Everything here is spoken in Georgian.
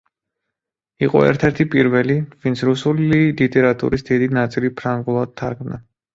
იყო ერთ-ერთი პირველი, ვინც რუსული ლიტერატურის დიდი ნაწილი ფრანგულად თარგმნა.